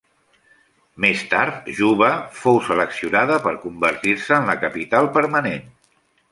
Més Tard, Juba fou seleccionada per convertir-se en la capital permanent.